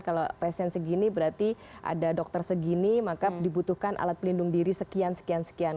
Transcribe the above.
kalau pasien segini berarti ada dokter segini maka dibutuhkan alat pelindung diri sekian sekian sekian